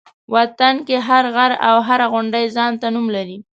وطن کې هر غر او هره غونډۍ ځان ته نوم لري.